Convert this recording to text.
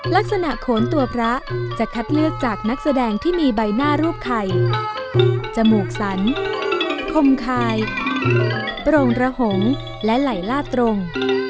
ลักษณะโขนตัวพระจะคัดเลือกจากนักแสดงที่มีใบหน้ารูปไข่จมูกสันคมคายโปร่งระหงและไหลล่าตรง